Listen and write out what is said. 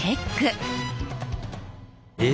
え。